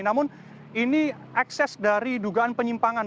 namun ini ekses dari dugaan penyimpangan